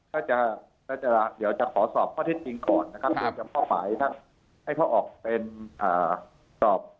ถ้าจะเดี๋ยวจะขอสอบข้อที่จริงก่อนนะครับให้เขาออกเป็นสอบ